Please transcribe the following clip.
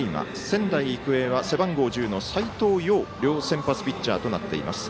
仙台育英は背番号１０の斎藤蓉、両先発ピッチャーとなっています。